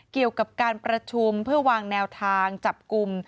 เกี่ยวกับการประชุมเพื่อวางแนวทางจับกลุ่ม